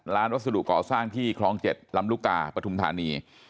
วัสดุก่อสร้างที่คลอง๗ลำลูกกาปฐุมธานี